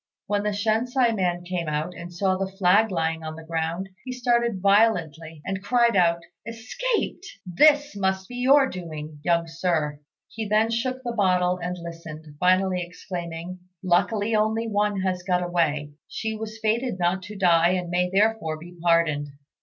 When the Shensi man came out, and saw the flag lying on the ground, he started violently, and cried out, "Escaped! This must be your doing, young Sir." He then shook the bottle and listened, finally exclaiming, "Luckily only one has got away. She was fated not to die, and may therefore be pardoned."